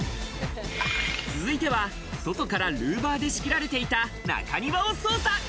続いては外からルーバーで仕切られていた中庭を捜査。